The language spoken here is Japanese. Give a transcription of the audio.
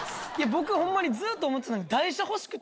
僕ホンマにずっと思ってた。